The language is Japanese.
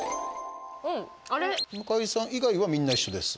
向井さん以外はみんな一緒です。